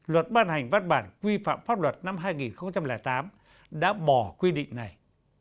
luật ban hành văn bản quy phạm pháp luật năm hai nghìn tám đã bỏ quy định này